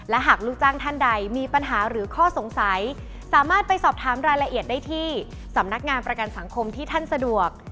หากลูกจ้างท่านใดมีปัญหาหรือข้อสงสัยสามารถไปสอบถามรายละเอียดได้ที่สำนักงานประกันสังคมที่ท่านสะดวก